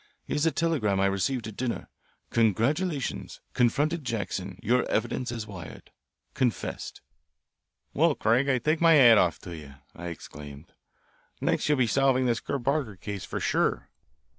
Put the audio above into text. Here's a telegram I received at dinner: 'Congratulations. Confronted Jackson your evidence as wired. Confessed.'" "Well, Craig, I take off my hat to you," I exclaimed. "Next you'll be solving this Kerr Parker case for sure."